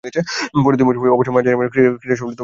পরের দুই মৌসুম অবশ্য মাঝারিমানের ক্রীড়াশৈলী প্রদর্শন করেছেন।